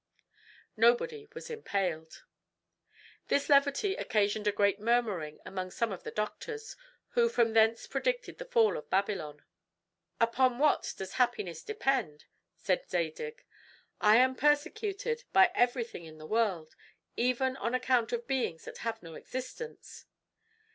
Nobody was impaled. This levity occasioned a great murmuring among some of the doctors, who from thence predicted the fall of Babylon. "Upon what does happiness depend?" said Zadig. "I am persecuted by everything in the world, even on account of beings that have no existence."